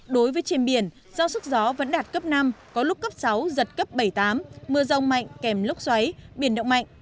đối với trên biển do sức gió vẫn đạt cấp năm có lúc cấp sáu giật cấp bảy tám mưa rông mạnh kèm lốc xoáy biển động mạnh